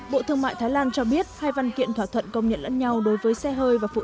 bộ thương mại thái lan cho biết hai văn kiện thỏa thuận công nhận lẫn nhau đối với xe hơi và phụ